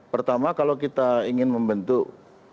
pertama kalau kita ingin membentuk